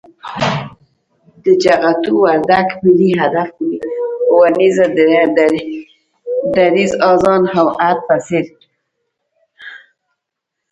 د جغتو، وردگ، ملي هدف اونيزه، دريځ، آذان او عهد په څېر